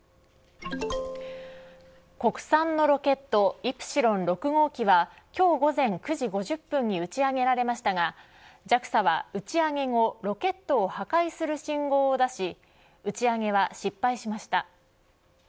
国産のロケットイプシロン６号機は今日午前９時５０分に打ち上げられましたがＪＡＸＡは打ち上げ後ロケットを破壊する信号を出し打ち上げは失敗しました。